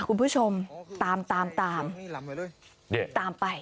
คุณผู้ชมตามตามไป